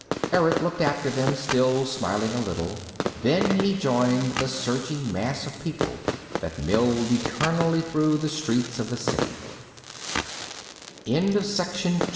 Erick looked after them, still smiling a little. Then he joined the surging mass of people that milled eternally through the streets of the Cit